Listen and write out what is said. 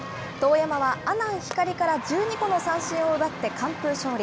當山は阿南光から１２個の三振を奪って完封勝利。